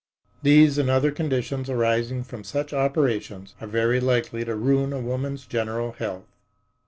These and other conditions arising from such operations are very likely to ruin a woman's general health.